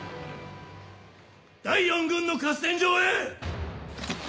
第四軍の合戦場へ！